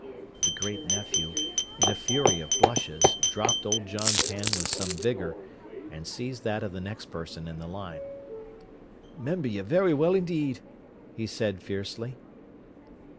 The great nephew, in a fury of blushes, dropped old John's hand with some vigour, and seized that of the next person in the line. "Member you v'ry well 'ndeed!" he said fiercely.